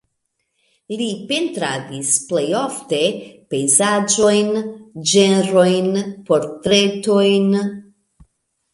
Li pentradis plej ofte pejzaĝojn, ĝenrojn, portretojn.